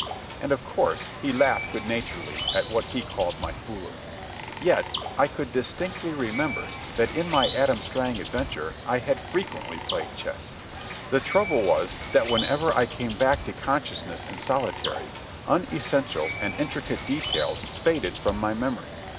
And of course he laughed good naturedly at what he called my foolery. Yet I could distinctly remember that in my Adam Strang adventure I had frequently played chess. The trouble was that whenever I came back to consciousness in solitary, unessential and intricate details faded from my memory.